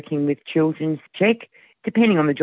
mungkin mereka membutuhkan cek cek anak anak